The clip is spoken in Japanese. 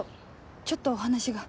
ちょっとお話が。